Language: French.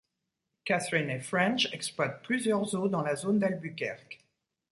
Katherine et French exploitent plusieurs zoos dans la zone d'Albuquerque.